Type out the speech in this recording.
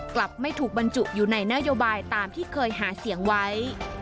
กลับไม่ถูกบรรจุอยู่ในนโยบายตามที่เคยหาเสียงไว้